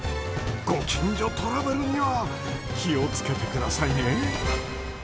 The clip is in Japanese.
ご近所トラブルには気をつけて下さいね。